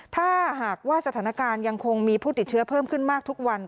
ถ้าหากว่าสถานการณ์ยังคงมีผู้ติดเชื้อเพิ่มขึ้นมากทุกวัน